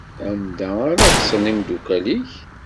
Anda ara ṭṭsen imdukal-ik?